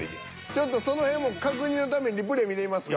ちょっとその辺も確認のためにリプレイ見てみますか？